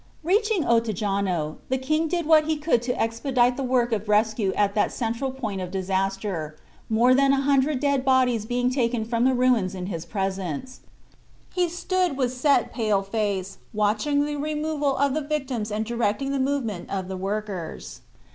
Reaching Ottejano, the King did what he could to expedite the work of rescue at that central point of disaster, more than a hundred dead bodies being taken from the ruins in his presence. He stood with set pale face watching the removal of the victims and directing the movement of the workers.